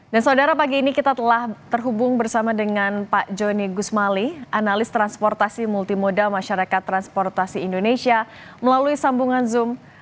dan saudara pagi ini kita telah terhubung bersama dengan pak joni gusmali analis transportasi multimodal masyarakat transportasi indonesia melalui sambungan zoom